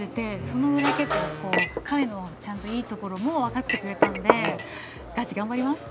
そのぐらい結構こう彼のちゃんといいところもわかってくれたんでガチ頑張ります。